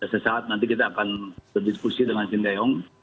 sesaat nanti kita akan berdiskusi dengan sinteyong